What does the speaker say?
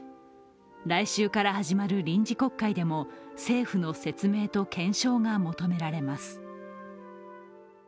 来週から始まる臨時国会でも、政府の説明と検証が求められます。